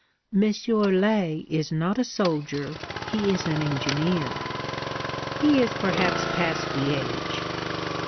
Monsieur Laye is not a soldier. He is an engineer.' 'He is perhaps past the age.'